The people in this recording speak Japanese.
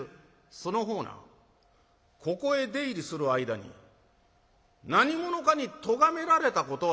「その方なここへ出入りする間に何者かにとがめられたことはないのか？」。